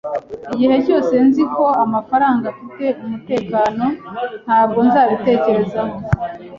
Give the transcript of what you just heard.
Igihe cyose nzi ko amafaranga afite umutekano, ntabwo nzabitekerezaho.